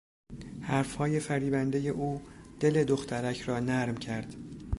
حرفهای فریبندهی او دل دخترک را نرم کرد.